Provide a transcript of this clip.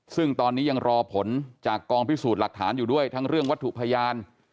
ซึ่งตอนนี้ยังรอผลจากกองพิสูจน์หลักฐานอยู่ด้วยทั้งเรื่องวัตถุพยาน